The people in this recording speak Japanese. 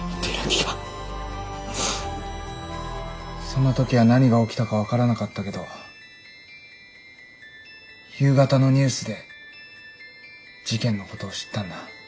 その時は何が起きたか分からなかったけど夕方のニュースで事件のことを知ったんだ。